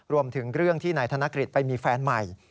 รวมถึงเรื่องที่นายธนกฤษไปมีแฟนใหม่